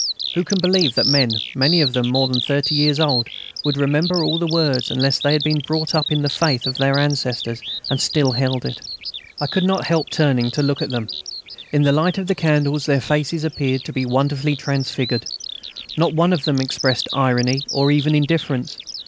Who can believe that men, many of them more than thirty years old, would remember all the words unless they had been brought up in the faith of their ancestors and still held it? I could not help turning to look at them. In the light of the candles their faces appeared to be wonderfully transfigured. Not one of them expressed irony or even indifference.